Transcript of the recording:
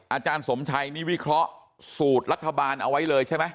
อาจารย์สมชัยนี่วิเคราะห์สูตรรัฐบาลเอาไว้เลยใช่ไหม